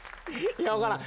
いや分からん。